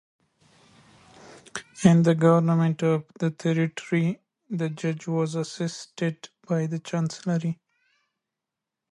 In the government of the territory, the Judge was assisted by the Chancellery.